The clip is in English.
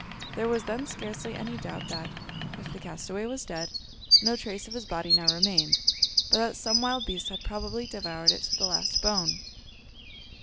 There was then scarcely any doubt that, if the castaway was dead, no trace of his body now remained, but that some wild beast had probably devoured it to the last bone.